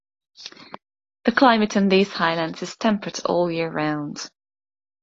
The climate on these highlands is temperate all year round.